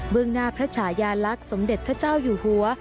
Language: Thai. หน้าพระฉายาลักษณ์สมเด็จพระเจ้าอยู่หัว